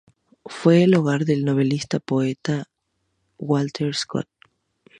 Fue el hogar del novelista y poeta Walter Scott.